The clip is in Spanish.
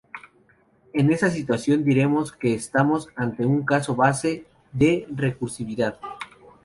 En esa situación diremos que estamos ante un caso base de la recursividad.